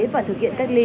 và thực hiện cách ly